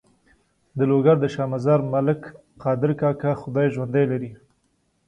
د لوګر د شا مزار ملک قادر کاکا خدای ژوندی لري.